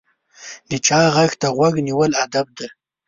د چا غږ ته غوږ نیول ادب دی.